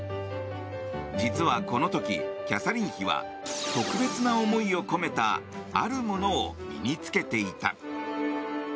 実はこの時、キャサリン妃は特別な思いを込めたあるものを身に着けていた。